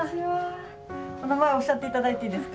お名前おっしゃっていただいていいですか？